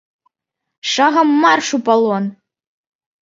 Шагам марш у палон!